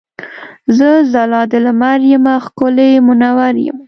زه ځلا د لمر یمه ښکلی مونور یمه.